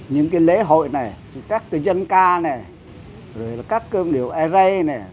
những cái lễ hội này các cái dân ca này các cơm điệu ây rây này